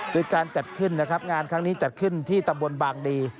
โดยการจัดขึ้นนะครับงานครั้งนี้จัดขึ้นที่ตำบลบางดี